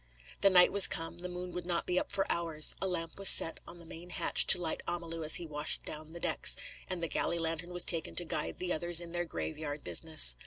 The night was come, the moon would not be up for hours; a lamp was set on the main hatch to light Amalu as he washed down decks; and the galley lantern was taken to guide the others in their graveyard business.